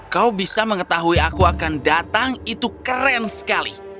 kau bisa mengetahui aku akan datang itu keren sekali